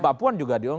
papuan juga diundang